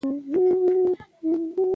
د خولې نظافت ته پام وکړئ.